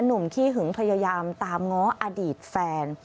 ขี้หึงพยายามตามง้ออดีตแฟน